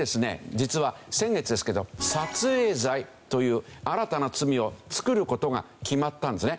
実は先月ですけど撮影罪という新たな罪を作る事が決まったんですね。